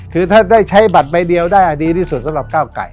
คือถ้าได้ใช้บัตรใบเดียวได้ดีที่สุดสำหรับก้าวไก่